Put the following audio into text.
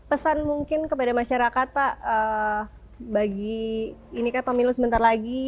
pesan mungkin kepada masyarakat pak bagi ini kan pemilu sebentar lagi